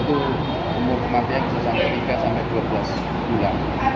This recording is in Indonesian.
umur kematian bisa sampai tiga dua belas bulan